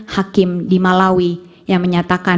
hal ini dapat dilihat misalnya dari pertanyaan pemohon